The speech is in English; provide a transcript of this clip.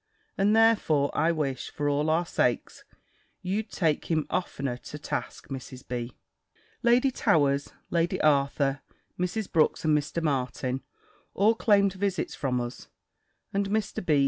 And, therefore, I wish, for all our sakes, you'd take him oftener to task, Mrs. B." Lady Towers, Lady Arthur, Mrs. Brooks, and Mr. Martin, all claimed visits from us; and Mr. B.